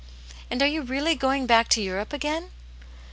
" And are you really going back to Europe again?"